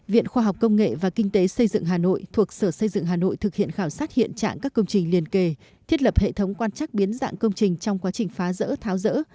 viện khoa học công nghệ và kinh tế xây dựng hà nội thuộc sở xây dựng hà nội thực hiện khảo sát hiện trạng các công trình liên kề thiết lập hệ thống quan trắc biến dạng công trình trong quá trình phá rỡ tháo rỡ